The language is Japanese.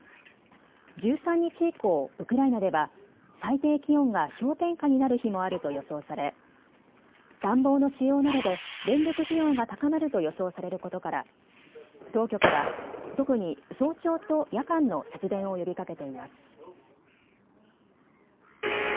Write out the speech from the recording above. １３日以降、ウクライナでは最低気温が氷点下になる日もあると予想され暖房の使用などで電力需要が高まると予想されることから当局は特に早朝と夜間の節電を呼びかけています。